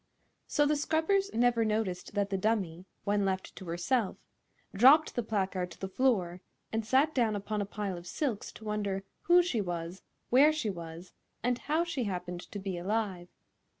So the scrubbers never noticed that the dummy, when left to herself, dropped the placard to the floor and sat down upon a pile of silks to wonder who she was, where she was, and how she happened to be alive.